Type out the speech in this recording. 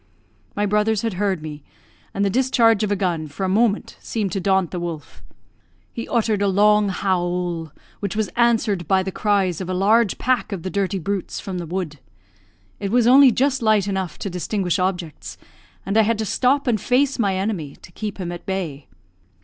My brothers had heard me, and the discharge of a gun, for a moment, seemed to daunt the wolf. He uttered a long howl, which was answered by the cries of a large pack of the dirty brutes from the wood. It was only just light enough to distinguish objects, and I had to stop and face my enemy, to keep him at bay.